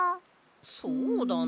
そうだな。